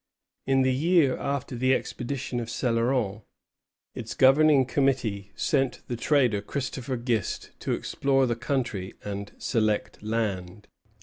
In the year after the expedition of Céloron, its governing committee sent the trader Christopher Gist to explore the country and select land.